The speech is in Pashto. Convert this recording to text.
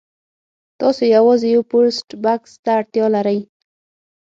تاسو یوازې یو پوسټ بکس ته اړتیا لرئ